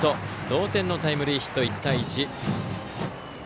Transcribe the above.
同点のタイムリーヒット１対１。